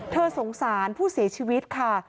สงสารผู้เสียชีวิตค่ะ